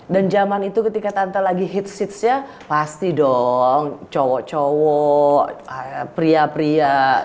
dan zaman itu ketika tante lagi hitsitsnya pasti dong cowok cowok pria pria